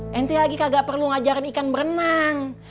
nanti lagi kagak perlu ngajarin ikan berenang